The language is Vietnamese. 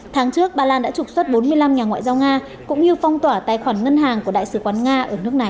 tháng trước ba lan đã trục xuất bốn mươi năm nhà ngoại giao nga cũng như phong tỏa tài khoản ngân hàng của đại sứ quán nga ở nước này